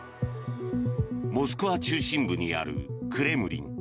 モスクワ中心部にあるクレムリン。